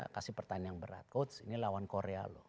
kasih pertanyaan yang berat coach ini lawan korea loh